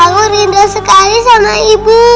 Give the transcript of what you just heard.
aku rindu sekali sama ibu